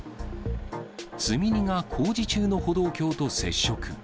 積み荷が工事中の歩道橋と接触。